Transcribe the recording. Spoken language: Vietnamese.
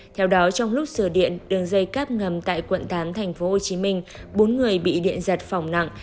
theo đó trong lúc sửa điện đường dây cáp ngầm tại quận tám tp hcm bốn người bị điện giật phòng nặng